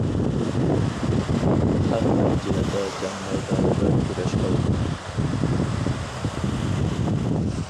خەقلەر جىنىدا جەڭ مەيدانىدا كۈرەش قىلىدۇ.